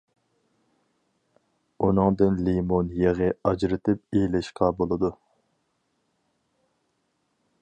ئۇنىڭدىن لىمون يېغى ئاجرىتىپ ئېلىشقا بولىدۇ.